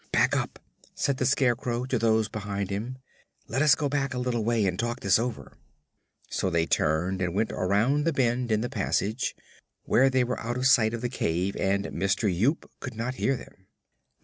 "Back up," said the Scarecrow to those behind him. "Let us go back a little way and talk this over." So they turned and went around the bend in the passage, where they were out of sight of the cave and Mister Yoop could not hear them.